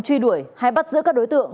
truy đuổi hay bắt giữ các đối tượng